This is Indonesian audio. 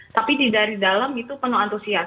tapi dari dalam itu penuh antusias